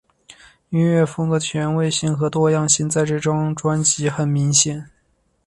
音乐风格的前卫性和多样性在这张专辑很明显。